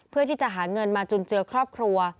เพื่อที่จะหาเงินมาจุนเจือครอบครัว